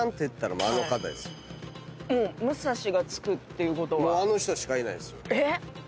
もうあの人しかいないっすよ。